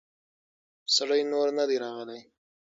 سړی نور نه دی راغلی.